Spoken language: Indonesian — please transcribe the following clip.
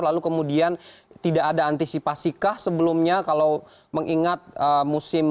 lalu kemudian tidak ada antisipasi kah sebelumnya kalau mengingat musim ini